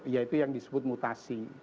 yaitu yang disebut mutasi